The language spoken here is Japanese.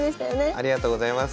ありがとうございます。